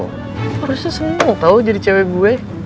harusnya semua tahu jadi cewek gue